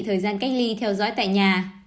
thời gian cách ly theo dõi tại nhà